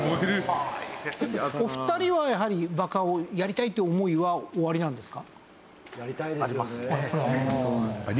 お二人はやはり爆破をやりたいって思いはおありなんですか？